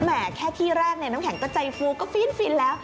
แค่ที่แรกเนี่ยน้ำแข็งก็ใจฟูก็ฟินแล้ว